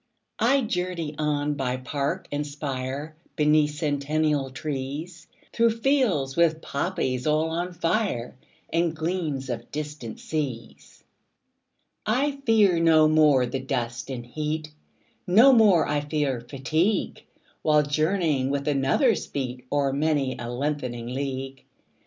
20 I journey on by park and spire, Beneath centennial trees, Through fields with poppies all on fire, And gleams of distant seas. I fear no more the dust and heat, 25 No more I fear fatigue, While journeying with another's feet O'er many a lengthening league.